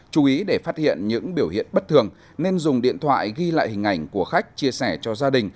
chú ý để phát hiện những biểu hiện bất thường nên dùng điện thoại ghi lại hình ảnh của khách chia sẻ cho gia đình